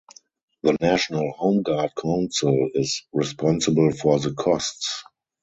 The National Home Guard Council is responsible for the costs.